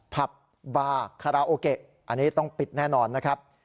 ผับบาคาราโอเกะอันนี้ต้องปิดแน่นอนนะครับ